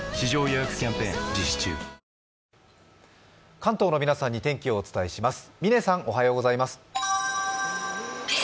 関東の皆さんに天気をお伝えします。